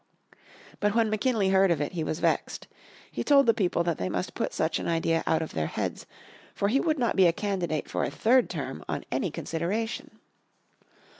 But when McKinley heard of it he was vexed. He told the people that they must put such an idea out of their heads, for he would not be a candidate for a third term on any consideration.